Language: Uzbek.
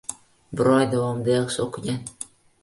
Bir oy davomida yaxshi o‘qigan.